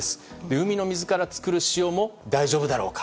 海の水から作る塩も大丈夫だろうか。